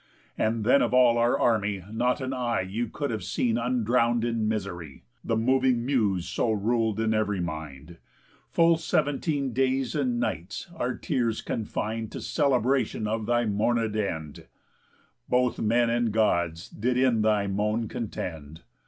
And then of all our army not an eye You could have seen undrown'd in misery, The moving Muse so rul'd in ev'ry mind. Full seventeen days and nights our tears confin'd To celebration of thy mournéd end; Both men and Gods did in thy moan contend.